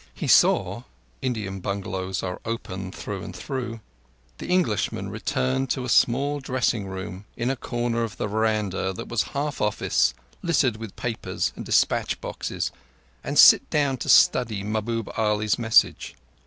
He saw—Indian bungalows are open through and through—the Englishman return to a small dressing room, in a comer of the veranda, that was half office, littered with papers and despatch boxes, and sit down to study Mahbub Ali's message.